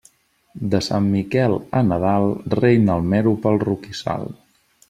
De Sant Miquel a Nadal reina el mero pel roquissal.